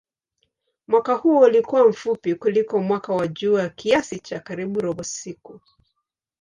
Mwaka huo ulikuwa mfupi kuliko mwaka wa jua kiasi cha karibu robo siku.